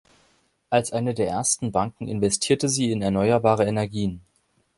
Als eine der ersten Banken investierte sie in erneuerbare Energien.